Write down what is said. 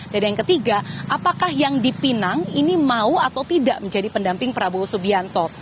dan yang ketiga apakah yang dipinang ini mau atau tidak menjadi pendamping prabowo subianto